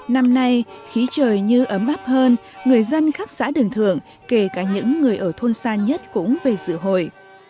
năm nay khí trời như ấm áp hơn người dân khắp xã đường thượng kể cả những người ở thôn xa nhất cũng về dự hội